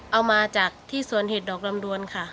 เอามาจากที่สวนเห็ดดอกลำดวนค่ะ